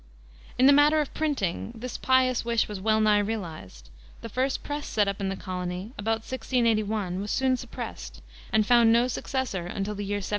In the matter of printing, this pious wish was well nigh realized. The first press set up in the colony, about 1681, was soon suppressed, and found no successor until the year 1729.